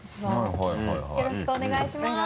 よろしくお願いします。